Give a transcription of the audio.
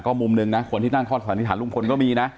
มุมหนึ่งนะคนที่ตั้งข้อสันนิษฐานลุงพลก็มีนะ